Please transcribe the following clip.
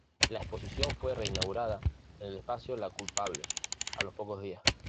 La exposición fue re-inaugurada en el Espacio La Culpable a los pocos días.